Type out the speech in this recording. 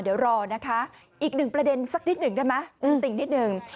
เดี๋ยวรอนะคะอีกหนึ่งประเด็นสักนิดหนึ่งได้ไหมติ่งนิดหนึ่ง